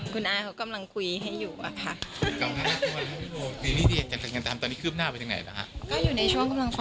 คุณอาเขากำลังคุยให้อยู่อะค่ะ